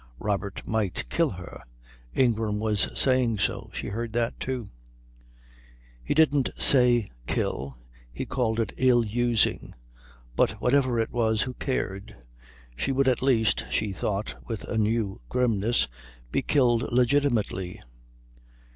Robert might kill her Ingram was saying so, she heard that, too; he didn't say kill, he called it ill using, but whatever it was who cared? She would at least, she thought with a new grimness, be killed legitimately.